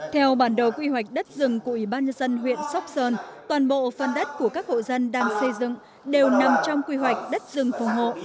theo bản đồ quy hoạch đất rừng của ủy ban nhân dân huyện sóc sơn toàn bộ phần đất của các hộ dân đang xây dựng đều nằm trong quy hoạch đất rừng phòng hộ